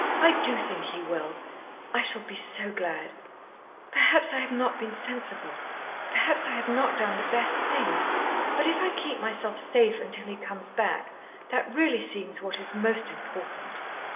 "I do think he will. I shall be so glad. Perhaps I have not been sensible, perhaps I have not done the best thing, but if I keep myself safe until he comes back, that really seems what is most important."